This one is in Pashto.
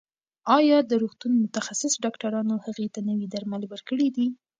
ایا د روغتون متخصص ډاکټرانو هغې ته نوي درمل ورکړي دي؟